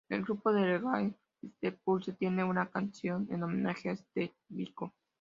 El grupo de reggae Steel Pulse tiene una canción en homenaje a Steve Biko.